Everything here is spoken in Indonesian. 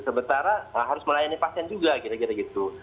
sementara harus melayani pasien juga kira kira gitu